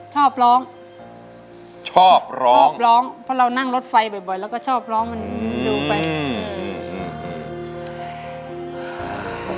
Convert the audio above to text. ชอบร้องชอบร้องชอบร้องเพราะเรานั่งรถไฟบ่อยแล้วก็ชอบร้องมันดูไปอืม